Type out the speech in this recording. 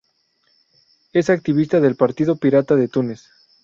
Es activista del Partido Pirata de Túnez.